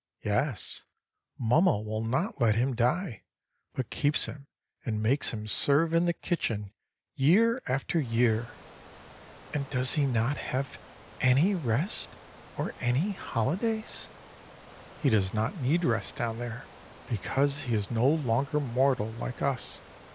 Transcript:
"Yes; Mummel will not let him die; but keeps him, and makes him serve in the kitchen year after year." "And does he not have any rest or any holidays?" "He does not need rest down there, because he is no longer mortal like us.